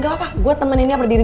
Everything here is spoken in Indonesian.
gak apa apa gue temenin ya berdiri